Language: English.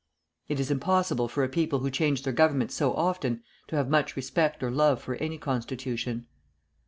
It is impossible for a people who change their government so often to have much respect or love for any constitution.